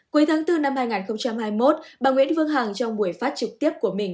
cuối tháng bốn năm hai nghìn hai mươi một bà nguyễn vương hằng trong buổi phát trực tiếp của mình